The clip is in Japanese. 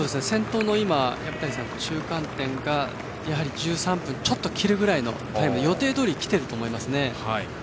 先頭の薮谷さんの中間点が１３分ちょっと切るくらいのタイムで予定どおりにきていると思います。